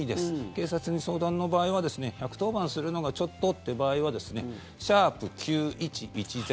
警察に相談の場合は１１０番するのがちょっとという場合は「＃９１１０」。